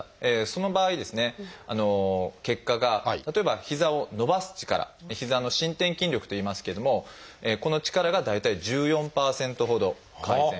その場合ですね結果が例えば膝を伸ばす力膝の伸展筋力といいますけれどもこの力が大体１４％ほど改善。